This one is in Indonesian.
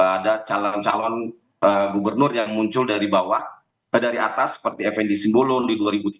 ada calon calon gubernur yang muncul dari bawah dari atas seperti fnd simbolon di dua ribu tiga belas